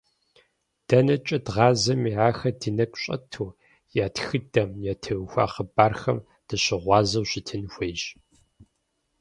Дэнэкӏэ дгъазэми ахэр ди нэгу щӏэту, я тхыдэм, ятеухуа хъыбархэм дыщыгъуазэу щытын хуейщ.